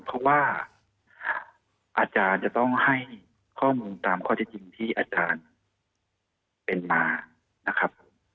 เพราะว่าอาจารย์จะต้องให้ข้อมูลตามข้อที่จริงที่อาจารย์เป็นมานะครับ